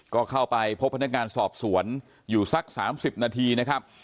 ก็เข้าไปพบพนักงานสอบสวนอยู่สัก๓๐นาทีนะครับ